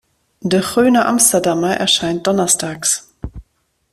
De Groene Amsterdammer erscheint donnerstags.